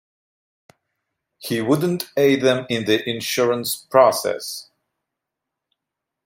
He wouldn't aid them in the insurance process.